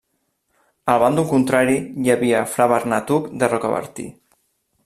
Al bàndol contrari hi havia fra Bernat Hug de Rocabertí.